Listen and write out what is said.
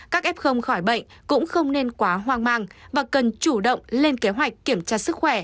các f khỏi bệnh cũng không nên quá hoang mang và cần chủ động lên kế hoạch kiểm tra sức khỏe